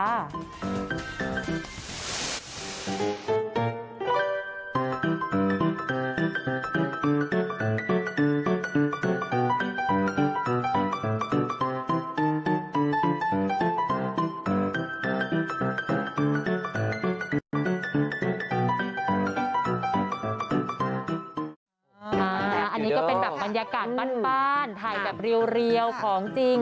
อันนี้ก็เป็นแบบบรรยากาศบ้านถ่ายแบบเรียวของจริง